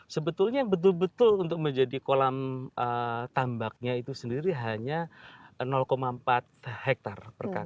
sebetulnya yang betul betul untuk menjadi kolam tambaknya itu sendiri hanya empat hektare